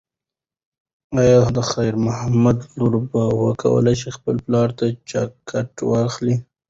ایا د خیر محمد لور به وکولی شي خپل پلار ته جاکټ واخلي؟